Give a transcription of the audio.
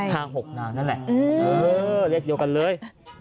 หกนางนั่นแหละเออเลขเดียวกันเลย